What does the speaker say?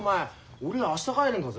俺ら明日帰るんだぜ。